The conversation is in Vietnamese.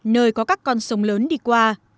nơi có các con sông lớn đi qua